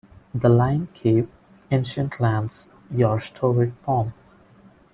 The line Keep, ancient lands, your storied pomp!